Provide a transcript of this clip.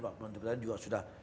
pak menteri pertanian juga sudah